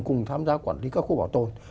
cùng tham gia quản lý các khu bảo tồn